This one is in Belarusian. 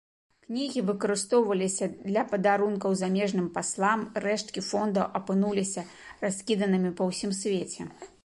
Кнігі выкарыстоўваліся для падарункаў замежным паслам, рэшткі фондаў апынуліся раскіданымі па ўсім свеце.